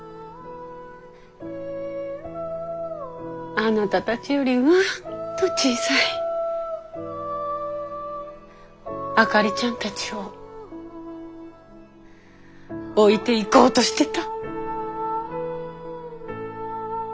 あなたたちよりうんと小さいあかりちゃんたちを置いていこうとしてた。